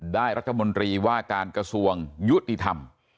รัฐมนตรีว่าการกระทรวงยุติธรรม